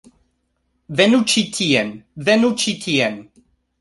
Venu ĉi tien. Venu ĉi tien.